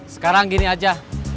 sekarang gini aja